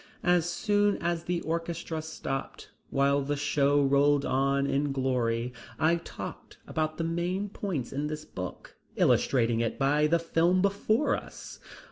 As soon as the orchestra stopped, while the show rolled on in glory, I talked about the main points in this book, illustrating it by the film before us.